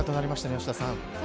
吉田さん。